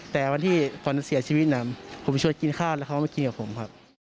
แต่วันที่ฝนเสียชีวิตผมชวนกินข้าวแล้วเขามากินกับผมครับ